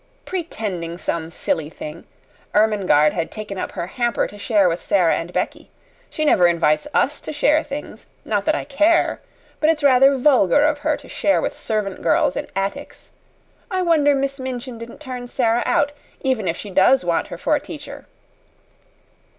"Pretending some silly thing. Ermengarde had taken up her hamper to share with Sara and Becky. She never invites us to share things. Not that I care, but it's rather vulgar of her to share with servant girls in attics. I wonder Miss Minchin didn't turn Sara out even if she does want her for a teacher."